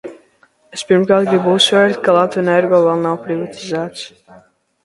"Es, pirmkārt, gribu uzsvērt, ka "Latvenergo" vēl nav privatizēts."